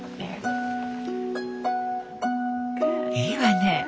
いいわね。